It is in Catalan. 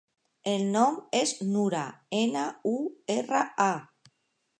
El nom és Nura: ena, u, erra, a.